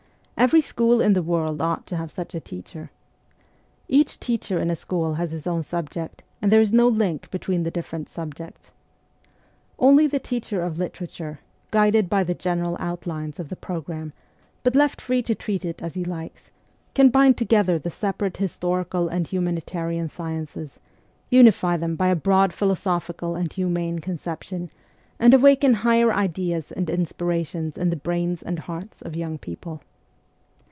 Every school in the world ought to have such a teacher. Each teacher in a school has his own subject, and there is no link between the different subjects. Only the teacher of literature, guided by the general outlines of the programme, but left free to treat it as he likes, can bind together the separate historical and humanitarian sciences, unify them by a broad philosophical and humane conception, and awaken higher ideas and inspirations in the brains and Hearts of young people.